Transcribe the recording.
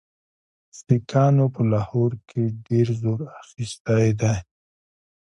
سیکهانو په لاهور کې ډېر زور اخیستی دی.